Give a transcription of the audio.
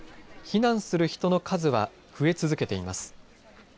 避難する人の数は増え続けています。